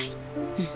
うん。